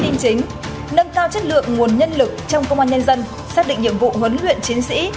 tin chính nâng cao chất lượng nguồn nhân lực trong công an nhân dân xác định nhiệm vụ huấn luyện chiến sĩ